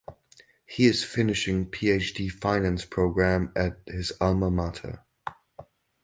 He is finishing PhD Finance programme at his Alma Mater.